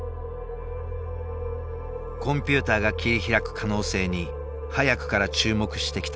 コンピューターが切り開く可能性に早くから注目してきた羽生。